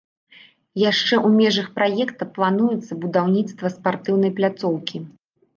Яшчэ ў межах праекта плануецца будаўніцтва спартыўнай пляцоўкі.